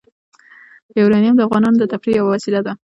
یورانیم د افغانانو د تفریح یوه وسیله ده.